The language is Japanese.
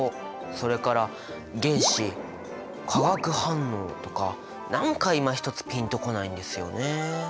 それから原子化学反応とか何かいまひとつピンと来ないんですよね。